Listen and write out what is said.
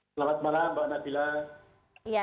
selamat malam mbak nabila